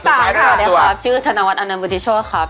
สวัสดีครับชื่อธนวัฒนอนันบุติโชธครับ